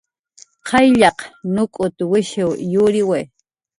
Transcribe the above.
Qayllaq nuk'utwishiw yuriwi